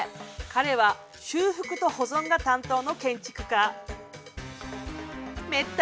彼は修復と保存が担当の建築家。